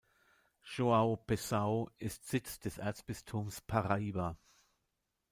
João Pessoa ist Sitz des Erzbistums Paraíba.